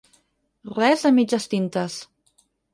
Res de mitges tintes.